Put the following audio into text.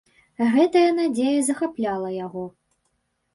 Гэтая надзея захапляла яго.